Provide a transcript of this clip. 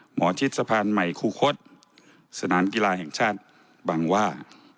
หมอชิดสะพานใหม่คูคศสนามกีฬาแห่งชาติบังว่า